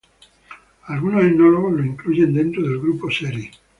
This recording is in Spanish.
Algunos etnólogos los incluyen dentro del grupo seri.